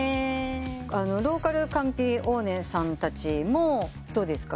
ローカルカンピオーネさんもどうですか？